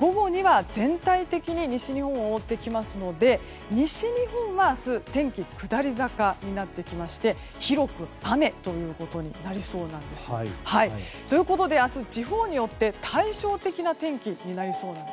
午後には全体的に西日本を覆ってきますので西日本は明日天気が下り坂になってきまして広く雨ということになりそうなんです。ということで明日地方によって対照的な天気になりそうなんです。